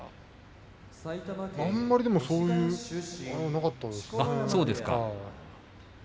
あんまりそういうことはなかったですね。